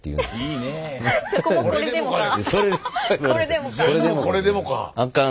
全部これでもか！